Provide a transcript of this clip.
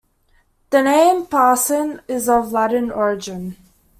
The name "Parcent" is of Latin origin.